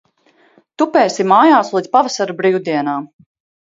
Tupēsi mājās līdz pavasara brīvdienām.